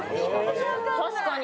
確かに。